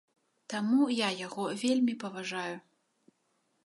Таму я яго вельмі паважаю.